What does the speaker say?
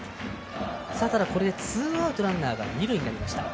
ツーアウトランナーが二塁になりました。